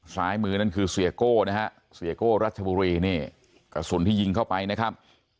ซ้ายมือนั่นคือเสียโก้นะฮะเสียโก้รัชบุรีนี่กระสุนที่ยิงเข้าไปนะครับ